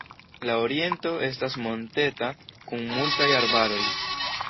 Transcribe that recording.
La oriento estas monteta kun multaj arbaroj.